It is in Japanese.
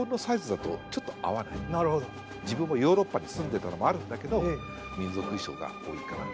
それとあと僕ちょっと自分もヨーロッパに住んでたのもあるんだけど民族衣装が多いかな。